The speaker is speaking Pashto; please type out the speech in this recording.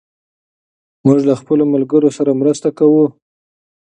موږ له خپلو ملګرو سره مرسته کوو.